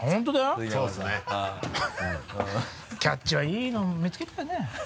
「キャッチ！」はいいの見つけたよね。